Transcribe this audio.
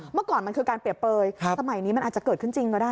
เมื่อก่อนมันคือการเปรียบเปลยสมัยนี้มันอาจจะเกิดขึ้นจริงก็ได้